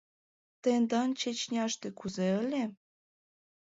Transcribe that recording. Тендан Чечняште кузе ыле?